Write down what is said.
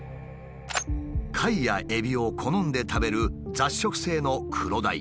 貝やエビを好んで食べる雑食性のクロダイ。